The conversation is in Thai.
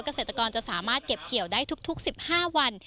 เกษตรกรจะสามารถเก็บเกี่ยวได้ทุก๑๕วัน